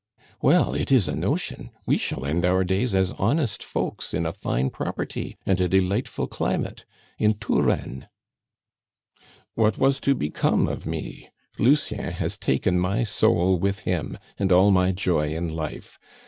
"Well, it is a notion! We shall end our days as honest folks in a fine property and a delightful climate in Touraine." "What was to become of me? Lucien has taken my soul with him, and all my joy in life.